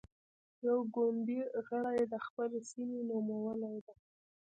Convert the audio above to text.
يوه ګوندي غړې د خپلې سيمې نومولې ده.